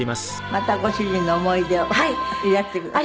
またご主人の思い出をいらしてください。